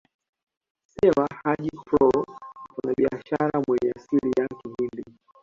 Sewa Haji Proo mfanyabiashara mwenye asili ya Kihindi